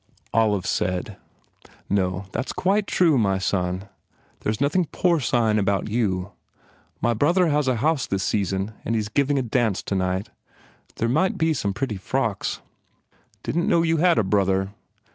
Olive said, "No, that s quite true, my son. There s nothing porcine about you. My brother has a house this season and he s giving a dance tonight. There might be some pretty frocks." "Didn t know you had a brother!"